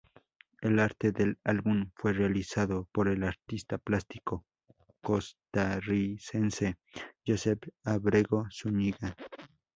El arte del álbum fue realizado por el artista plástico Costarricense Joseph Ábrego Zuñiga.